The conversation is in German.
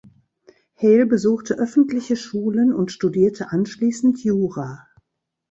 Hale besuchte öffentliche Schulen und studierte anschließend Jura.